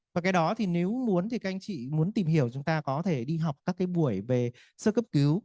và cái đó thì nếu muốn thì các anh chị muốn tìm hiểu chúng ta có thể đi học các cái buổi về sơ cấp cứu